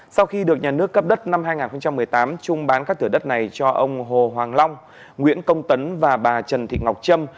sau khi được nhà nước cấp đất năm hai nghìn một mươi tám trung bán các thửa đất này cho ông hồ hoàng long nguyễn công tấn và bà trần thị ngọc trâm